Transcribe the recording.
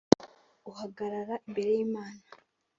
uhagarara imbere y’Imana